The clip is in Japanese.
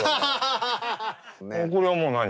これはもう何？